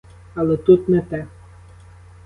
Але тут не те.